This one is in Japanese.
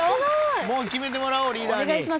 もう決めてもらおうリーダーに。